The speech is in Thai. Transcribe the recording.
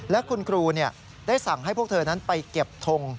และคุณครูได้สั่งให้พวกเธอนั้นไปเก็บทง